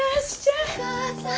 お母さん。